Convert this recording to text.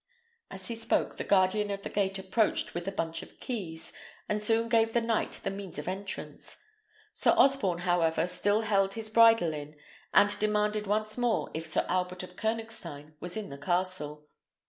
As he spoke, the guardian of the gate approached with a bunch of keys, and soon gave the knight the means of entrance. Sir Osborne, however, still held his bridle in, and demanded once more if Sir Albert of Koënigstein was in the castle.